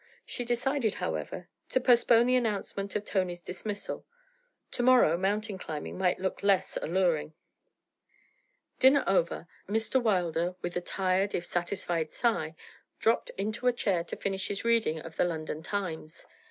She decided, however, to postpone the announcement of Tony's dismissal; to morrow mountain climbing might look less alluring. Dinner over, Mr. Wilder, with a tired if satisfied sigh, dropped into a chair to finish his reading of the London Times.